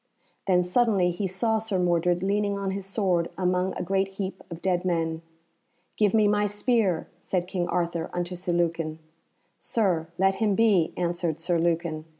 Then suddenly he saw Sir Mordred leaning on his sword among a great heap of dead men. "Give me my spear," said King Arthur unto Sir Lucan. "Sir, let him be," answered Sir Lucan.